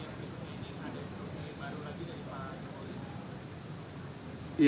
kita akan teruskan itu